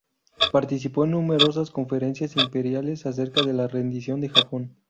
Participó en numerosas conferencias imperiales acerca de la rendición de Japón.